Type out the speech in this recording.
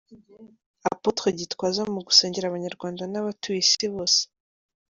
Apotre Gitwaza mu gusengera abanyarwanda n'abatuye isi bose.